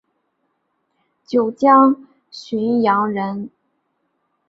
九江浔阳人人。